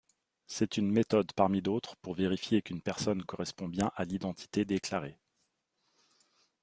C'est une méthode parmi d'autres pour vérifier qu'une personne correspond bien à l'identité déclarée.